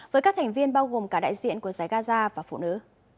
với các thành viên bao gồm cả đại diện của giải gaza và phụ nữ